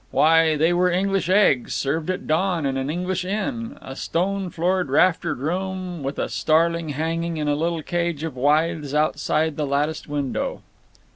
Why, they were English eggs, served at dawn in an English inn—a stone floored raftered room with a starling hanging in a little cage of withes outside the latticed window.